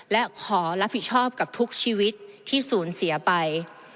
และขอรับผิดชอบกับทุกชีวิตที่สูญเสียไป